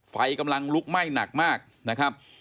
ไฟกำลังลุกไหม้หนักมากนะครับ